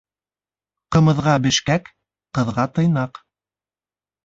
Ҡымыҙға бешкәк, ҡыҙға тыйнаҡ.